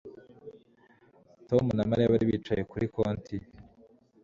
Tom na Mariya bari bicaye kuri konti